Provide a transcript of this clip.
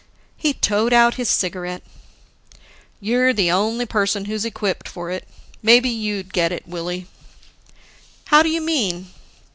He toed out his cigarette. "You're the only person who's equipped for it. Maybe you'd get it, Willie." "How do you mean?"